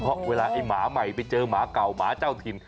เพราะเวลาไอ้หมาใหม่ไปเจอหมาเก่าหมาเจ้าถิ่น